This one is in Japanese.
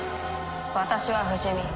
私は不死身。